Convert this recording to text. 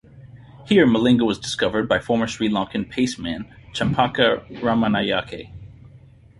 Here Malinga was discovered by former Sri Lankan paceman Champaka Ramanayake.